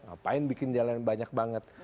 ngapain bikin jalan banyak banget